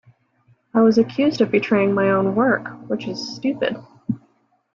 I was accused of betraying my own work, which is stupid.